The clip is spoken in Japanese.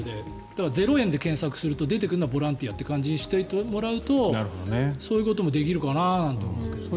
だから、ゼロ円で検索すると出てくるのはボランティアという感じにしておいてもらうとそういうこともできるかななんて思うけどね。